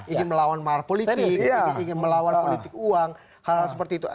ingin melawan mahar politik ingin melawan politik uang hal hal seperti itu